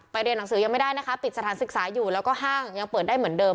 เรียนหนังสือยังไม่ได้นะคะปิดสถานศึกษาอยู่แล้วก็ห้างยังเปิดได้เหมือนเดิม